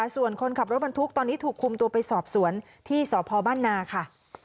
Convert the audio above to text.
ส่วนคนขับรถบรรทุกตอนนี้ถูกคุมตัวไปสอบสวนที่สพบ้านนาค่ะ